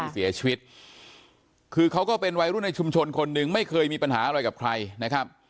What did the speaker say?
เสียชีวิตคือเขาก็เป็นวัยรุ่นในชุมชนคนหนึ่งไม่เคยมีปัญหาอะไรกับใครนะครับ